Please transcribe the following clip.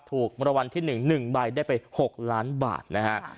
ถูกรางวัลที่๑๑ใบได้ไป๖ล้านบาทนะครับ